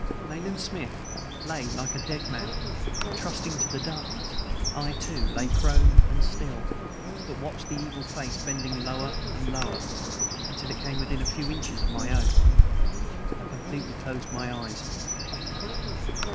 Nayland Smith lay like a dead man, and trusting to the darkness, I, too, lay prone and still, but watched the evil face bending lower and lower, until it came within a few inches of my own. I completely closed my eyes.